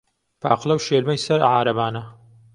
پاقلە و شێلمەی سەر عارەبانە